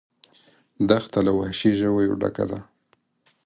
دښته له وحشي ژویو ډکه ده.